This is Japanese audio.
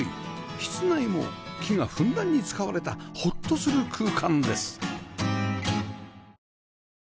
室内も木がふんだんに使われたほっとする空間です